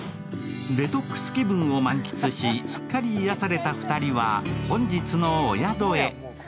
デトックス気分を満喫し、すっかり癒されたお二人は本日のお宿へ。